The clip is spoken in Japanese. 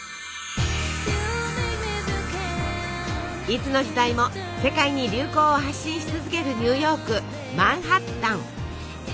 いつの時代も世界に流行を発信し続けるニューヨークマンハッタン。